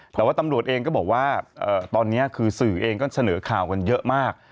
แต่ว่าตำรวจเองก็บอกว่าตอนนี้คือสื่อเองก็เสนอข่าวกันเยอะมาก